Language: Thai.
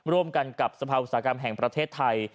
ร่วมกันกับสภาอุตสาหกรรมแห่งประเทศไทย